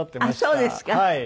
あっそうですか。